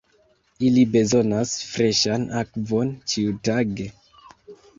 Ili bezonas freŝan akvon ĉiutage.